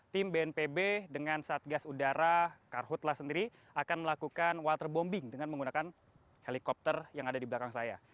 tim bnpb dengan satgas udara karhutlah sendiri akan melakukan waterbombing dengan menggunakan helikopter yang ada di belakang saya